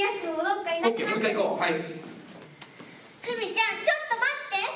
ふみちゃん、ちょっと待って。